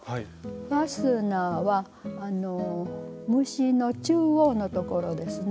ファスナーは務歯の中央のところですね